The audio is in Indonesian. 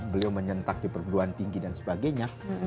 beliau menyentak di perguruan tinggi dan sebagainya